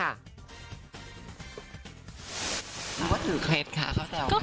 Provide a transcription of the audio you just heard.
หรือว่าถือเคล็ดค่ะข้าวแต่ว่า